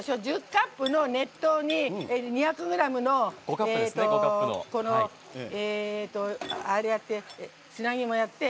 ５カップの熱湯に２００ｇの砂肝やって。